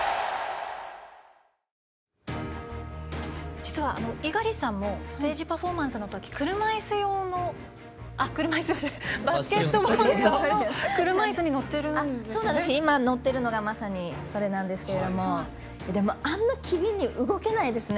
実は猪狩さんもステージパフォーマンスのときバスケットボール用の今、乗っているのがまさにそれなんですけどでもあんな機敏に動けないですね。